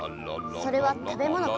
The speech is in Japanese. それは食べものか？